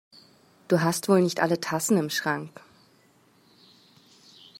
Du hast wohl nicht alle Tassen im Schrank!